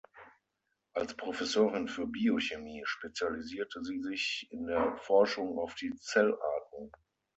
Als Professorin für Biochemie spezialisierte sie sich in der Forschung auf die Zellatmung.